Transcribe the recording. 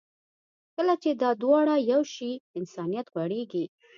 کله چې دا دواړه یو شي، انسانیت غوړېږي.